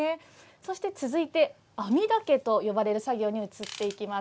そして続いて、編竹と呼ばれる作業に移っていきます。